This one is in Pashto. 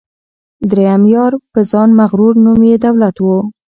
دریم یار په ځان مغرور نوم یې دولت وو